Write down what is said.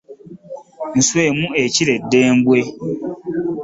Nswa emu ekira eddembwe .